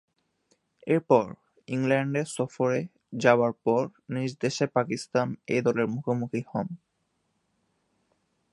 এরপর, ইংল্যান্ড সফরে যাবার পর নিজ দেশে পাকিস্তান এ দলের মুখোমুখি হন।